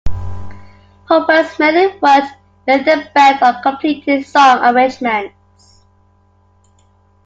Hoppus mainly worked with the band on completing song arrangements.